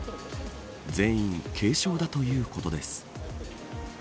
全員軽傷だということです。